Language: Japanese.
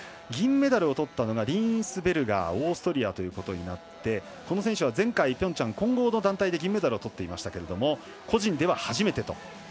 銀メダルをとったのがリーンスベルガーオーストリアということになってこの選手は前回、ピョンチャン混合の団体で銀メダルをとっていましたけども個人では初めてと。